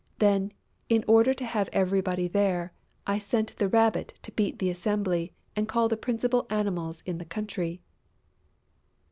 Then, in order to have everybody there, I sent the Rabbit to beat the assembly and call the principal Animals in the country."